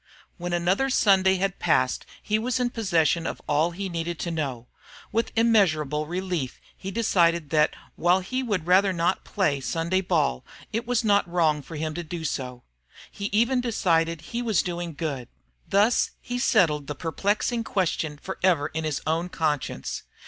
When another Sunday had passed he was in possession of all he needed to know. With immeasurable relief he decided that, while he would rather not have played Sunday ball, it was not wrong for him to do so. He even decided he was doing good. Thus he settled the perplexing question forever in his own conscience.